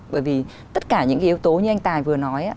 bởi vì tất cả những cái yếu tố như anh tài vừa nói